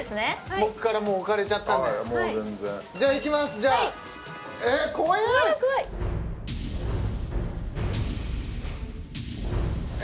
僕からもう置かれちゃったんではいもう全然じゃあいきますじゃあえ